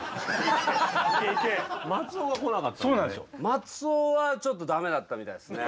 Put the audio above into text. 松尾はちょっと駄目だったみたいですね。